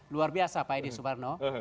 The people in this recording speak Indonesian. luar biasa pak edi suparno